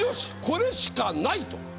これしかない！と。